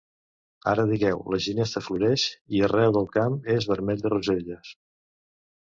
Ara digueu la ginesta floreix i arreu del camp és vermell de roselles